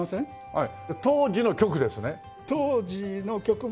はい。